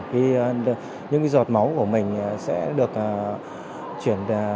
khi những giọt máu của mình sẽ được chuyển sang bệnh nhân